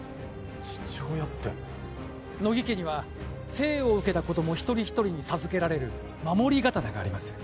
父親って乃木家には生を受けた子供一人一人に授けられる守り刀があります